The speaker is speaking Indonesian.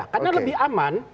karena lebih aman